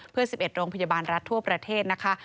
เพื่อ๑๑โรงพยาบาลรัฐทั่วประเทศนะคะ